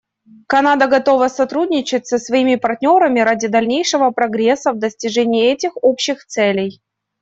Канада готова сотрудничать со своими партнерами ради дальнейшего прогресса в достижении этих общих целей.